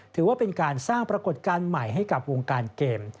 ถือว่าเป็นการสร้างปรากฏการณ์ใหม่ให้กับวงการเกม